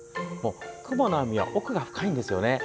クモの網は奥が深いんですよね。